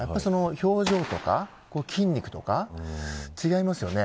表情とか筋肉とか違いますよね。